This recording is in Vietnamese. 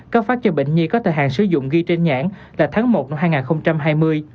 cấp phát cho bệnh nhi có thời hạn sử dụng ghi trên nhãn là tháng một năm hai nghìn hai mươi